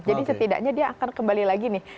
jadi setidaknya dia akan kembali lagi nih